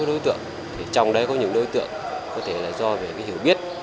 một số đối tượng trong đấy có những đối tượng có thể là do về hiểu biết